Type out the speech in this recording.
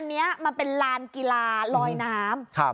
อันนี้มันเป็นลานกีฬาลอยน้ำ